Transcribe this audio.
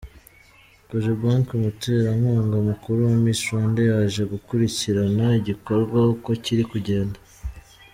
Cogebanque, umuterankunga mukuru wa Miss Rwanda yaje gukurikirana igikorwa uko kiri kugenda.